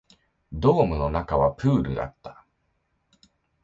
ドームの中はプールだった